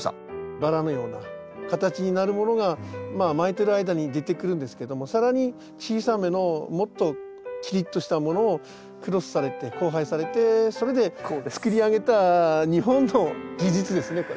バラのような形になるものが巻いてる間に出てくるんですけども更に小さめのもっとキリッとしたものをクロスされて交配されてそれでつくり上げた日本の技術ですねこれ。